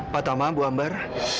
pak tama bu ambar